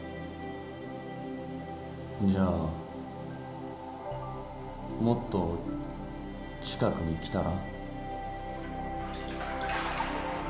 じゃあもっと近くに来たら？